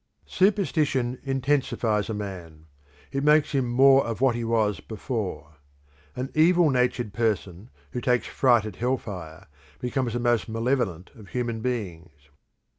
Superstition intensifies a man. It makes him more of what he was before. An evil natured person who takes fright at hell fire becomes the most malevolent of human beings.